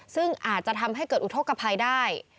ซึ่งอาจจะทำให้เกิดอุทธกภัยได้